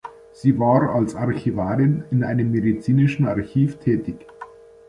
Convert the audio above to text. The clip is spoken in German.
Sie war als Archivarin in einem medizinischen Archiv tätig.